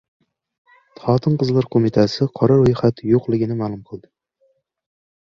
Xotin-qizlar qo‘mitasi “qora ro‘yxat” yo‘qligini ma’lum qildi